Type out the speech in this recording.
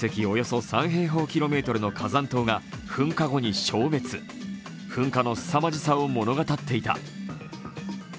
およそ３平方キロメートルの火山島が噴火後に消滅、噴火のすさまじさを物語っていた。